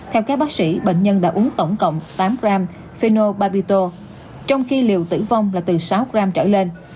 theo các bác sĩ bệnh nhân đã uống tổng cộng tám gram fino bagito trong khi liều tử vong là từ sáu gram trở lên